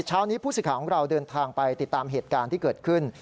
เช้านี้ผู้สิทธิ์ของเราเดินทางไปติดตามเหตุการณ์ที่เกิดขึ้น